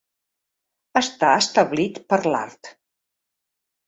Està establit per l'art.